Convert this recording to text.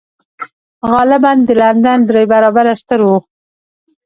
غالباً د لندن درې برابره ستر و